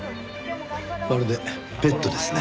まるでペットですね。